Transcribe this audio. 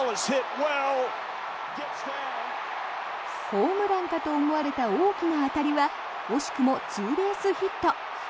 ホームランかと思われた大きな当たりは惜しくもツーベースヒット。